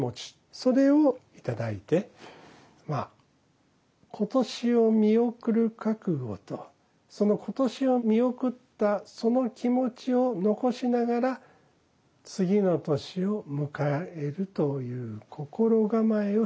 それを頂いてまあ今年を見送る覚悟と今年を見送ったその気持ちを残しながら次の年を迎えるという心構えをしていくという節目ですね。